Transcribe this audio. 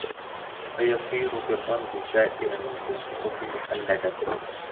فَيَصِيرُ بِالرَّمْزِ سَائِرًا وَفِي الصُّحُفِ مُخَلَّدًا